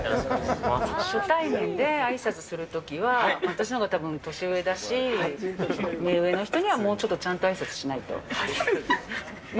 初対面であいさつするときは、私のほうがたぶん年上だし、目上の人にはもうちょっとちゃんとあいさつしないと。